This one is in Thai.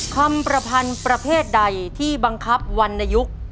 คำประพันธ์ประเภทใดที่บังคับวรรณยุค